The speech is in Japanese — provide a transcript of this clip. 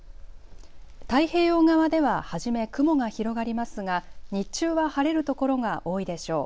太平洋側では初め雲が広がりますが日中は晴れる所が多いでしょう。